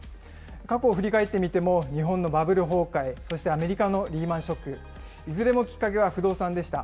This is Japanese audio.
過去を振り返ってみても日本のバブル崩壊、そしてアメリカのリーマンショック、いずれもきっかけは不動産でした。